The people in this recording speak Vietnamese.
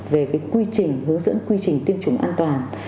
về cái quy trình hướng dẫn quy trình tiêm chủng an toàn